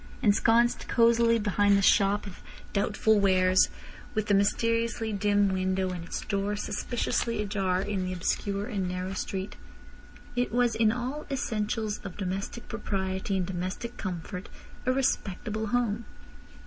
Ensconced cosily behind the shop of doubtful wares, with the mysteriously dim window, and its door suspiciously ajar in the obscure and narrow street, it was in all essentials of domestic propriety and domestic comfort a respectable home.